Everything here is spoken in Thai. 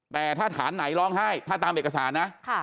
แต่ถ้าฐานไหนร้องไห้ถ้าตามเอกสารนะ